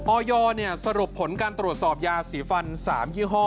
ออยสรุปผลการตรวจสอบยาสีฟัน๓ยี่ห้อ